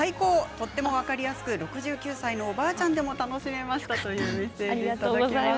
とっても分かりやすく６９歳のおばあちゃんでも楽しめましたというメッセージです。